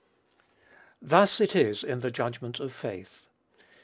Thus it is in the judgment of faith.